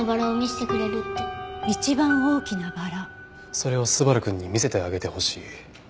それを昴くんに見せてあげてほしい。